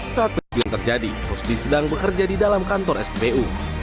saat banjir terjadi rusdi sedang bekerja di dalam kantor spbu